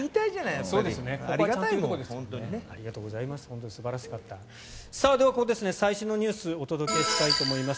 では、ここで最新のニュースをお届けしたいと思います。